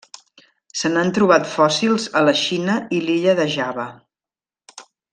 Se n'han trobat fòssils a la Xina i l'illa de Java.